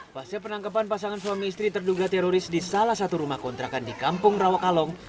pasca penangkapan pasangan suami istri terduga teroris di salah satu rumah kontrakan di kampung rawakalong